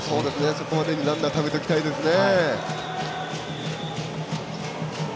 そこまでにランナーためておきたいですね。